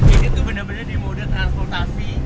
ini tuh benar benar di mode transportasi